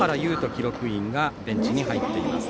記録員がベンチに入っています。